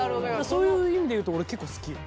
そういう意味でいうと俺結構好きよ。